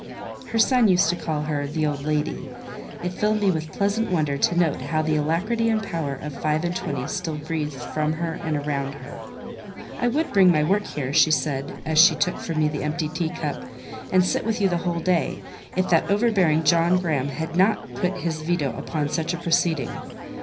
Her son used to call her "the old lady;" it filled me with pleasant wonder to note how the alacrity and power of five and twenty still breathed from her and around her. "I would bring my work here," she said, as she took from me the emptied teacup, "and sit with you the whole day, if that overbearing John Graham had not put his veto upon such a proceeding.